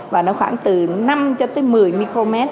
và khoảng từ năm một mươi micromet